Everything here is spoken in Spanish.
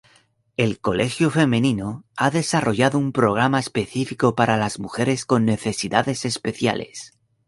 El colegio femenino ha desarrollado un programa específico para las mujeres con necesidades especiales.